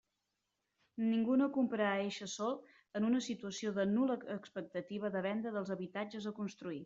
Ningú no comprarà eixe sòl en una situació de nul·la expectativa de venda dels habitatges a construir.